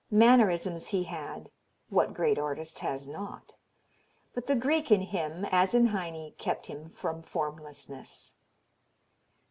Mannerisms he had what great artist has not? but the Greek in him, as in Heine, kept him from formlessness.